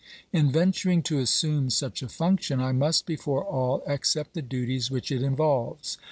In venturing to assume such a function I must before all accept the duties which it involves.